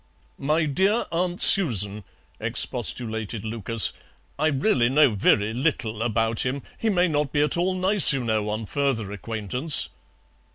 "My dear Aunt Susan," expostulated Lucas, "I really know very little about him. He may not be at all nice, you know, on further acquaintance."